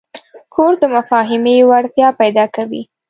کورس د مفاهمې وړتیا پیدا کوي.